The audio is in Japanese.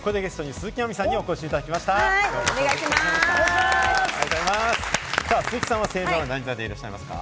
鈴木さんは星座は何座でいらっしゃいますか？